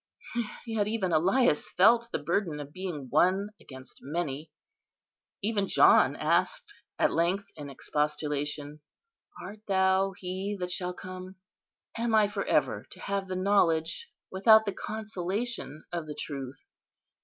Yet even Elias felt the burden of being one against many; even John asked at length in expostulation, 'Art Thou He that shall come?' Am I for ever to have the knowledge, without the consolation, of the truth?